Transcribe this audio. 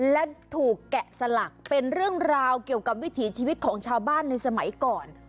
และถูกแกะสลักเป็นเรื่องราวเกี่ยวกับวิถีชีวิตของชาวบ้านในสมัยก่อน